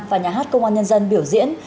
và nhà hát công an nhân dân biểu diễn